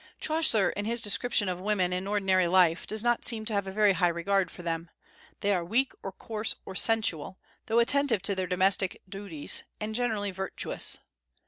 Chaucer in his description of women in ordinary life does not seem to have a very high regard for them. They are weak or coarse or sensual, though attentive to their domestic duties, and generally virtuous.